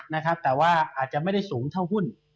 นะครับแต่ว่าอาจจะไม่ได้สูงเท่าหุ้น